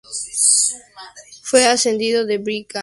Fue ascendido a brigadier.